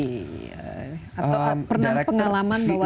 atau pernah pengalaman bahwa